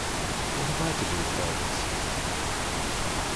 What have I to do with all this?